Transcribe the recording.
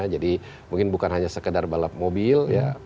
jadi mungkin bukan hanya sekedar balap mobil ya